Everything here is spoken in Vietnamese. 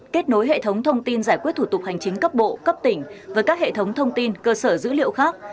kết nối hệ thống thông tin giải quyết thủ tục hành chính cấp bộ cấp tỉnh với các hệ thống thông tin cơ sở dữ liệu khác